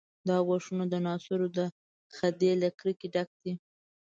دا ګواښونه د ناصرو د خدۍ له کرکې ډک دي.